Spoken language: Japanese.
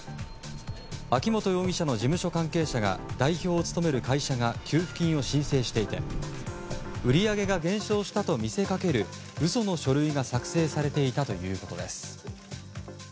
秋本容疑者の事務所関係者が代表を務める会社が給付金を申請していて売り上げが減少したと見せかける嘘の書類が作成されていたということです。